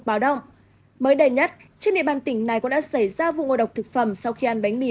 báo đau mới đầy nhất trên địa bàn tỉnh này cũng đã xảy ra vụ ngộ độc thực phẩm sau khi ăn bánh mì